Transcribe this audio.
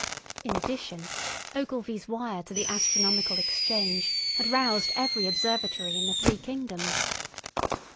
In addition, Ogilvy's wire to the Astronomical Exchange had roused every observatory in the three kingdoms.